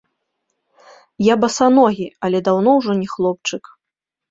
Я басаногі, але даўно ўжо не хлопчык.